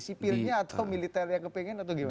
sipilnya atau militer yang kepingin atau gimana